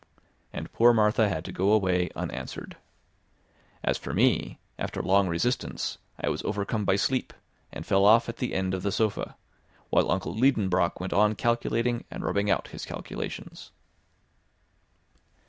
And poor Martha had to go away unanswered. As for me, after long resistance, I was overcome by sleep, and fell off at the end of the sofa, while uncle Liedenbrock went on calculating and rubbing out his calculations.